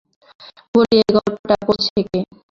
বলি এই গল্পটা পড়ছে কে?